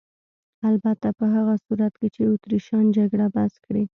البته په هغه صورت کې چې اتریشیان جګړه بس کړي.